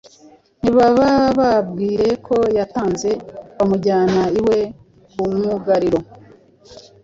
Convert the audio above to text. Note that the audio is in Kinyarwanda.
ntibababwire ko yatanze. Bamujyana iwe ku Mwugariro (Kigeme-